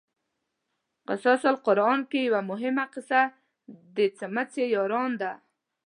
قصص القران کې یوه مهمه قصه د څمڅې یارانو ده.